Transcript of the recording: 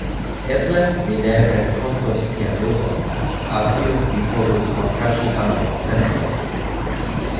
Eble mi ne renkontos tian ulon, al kiu mi povus malkaŝi amajn sentojn.